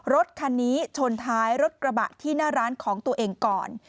รถคันนี้ชนท้ายรถกระบะที่หน้าร้านของตัวเองก่อน